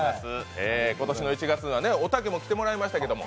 今年の１月は、おたけにも来てもらいましたけども。